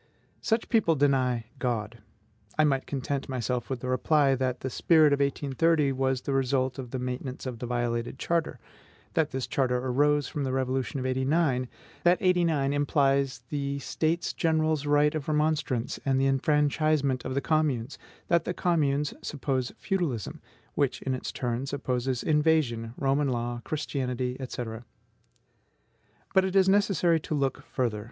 Such people deny God. I might content myself with the reply that the spirit of 1830 was the result of the maintenance of the violated charter; that this charter arose from the Revolution of '89; that '89 implies the States General's right of remonstrance, and the enfranchisement of the communes; that the communes suppose feudalism, which in its turn supposes invasion, Roman law, Christianity, &c. But it is necessary to look further.